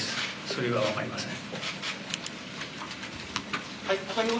それ以外は分かりません。